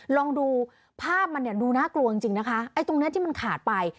ลองดูภาพมันเนี่ยดูน่ากลัวจริงจริงนะคะไอ้ตรงเนี้ยที่มันขาดไป